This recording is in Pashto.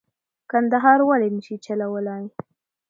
کندهار ولې نه شي چلولای.